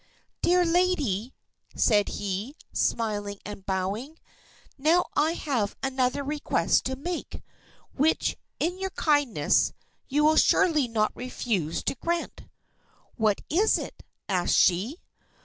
"Dear lady," said he, smiling and bowing, "now I have another request to make, which, in your kindness, you will surely not refuse to grant." "What is it?" asked she.